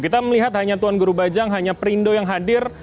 kita melihat hanya tuan guru bajang hanya perindo yang hadir